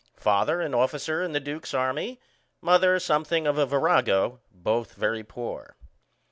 Father an officer in the duke's army, mother something of a virago, both very poor.